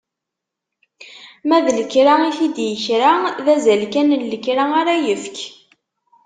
Ma d lekra i t-id-ikra, d azal kan n lekra ara yefk.